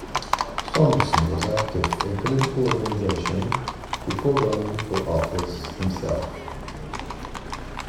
Saunderson was active in political organization before running for office himself.